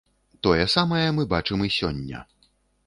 Тое самае мы бачым і сёння.